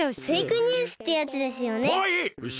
フェイクニュースってやつですよね。